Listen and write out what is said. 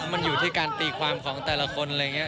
มันอยู่ที่การตีความของแต่ละคน